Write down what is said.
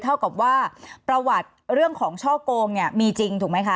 เท่ากับว่าประวัติเรื่องของช่อโกงเนี่ยมีจริงถูกไหมคะ